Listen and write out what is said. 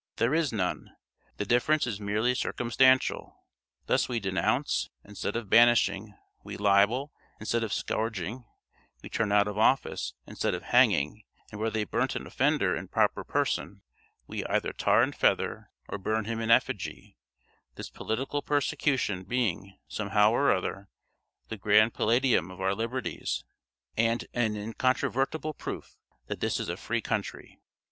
There is none; the difference is merely circumstantial. Thus we denounce, instead of banishing we libel, instead of scourging we turn out of office, instead of hanging and where they burnt an offender in proper person, we either tar and feather, or burn him in effigy this political persecution being, somehow or other, the grand palladium of our liberties, and an incontrovertible proof that this is a free country!